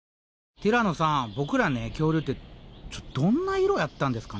ティラノさんボクら恐竜ってどんな色やったんですかね？